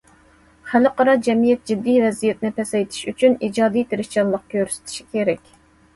خەلقئارا جەمئىيەت جىددىي ۋەزىيەتنى پەسەيتىش ئۈچۈن ئىجادىي تىرىشچانلىق كۆرسىتىشى كېرەك.